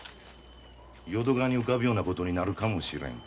淀川に浮かぶようなことになるかもしれん。